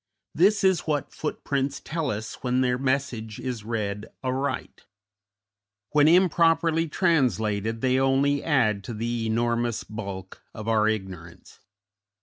This is what footprints tell us when their message is read aright; when improperly translated they only add to the enormous bulk of our ignorance.